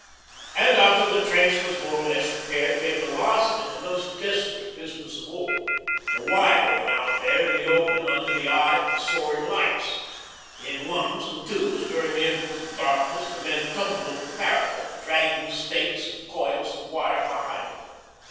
And after the trench was more or less repaired came the last and the most desperate business of all the 'wiring' out there in the open under the eye of the soaring lights. In ones and twos during the intervals of darkness the men tumbled over the parapet, dragging stakes and coils of wire behind them.